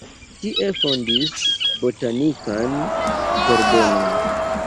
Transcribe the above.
Tie fondis botanikan ĝardenon.